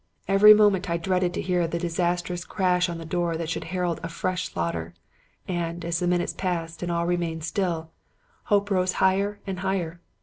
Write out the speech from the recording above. Every moment I dreaded to hear the disastrous crash on the door that should herald a fresh slaughter; and, as the minutes passed and all remained still, hope rose higher and higher.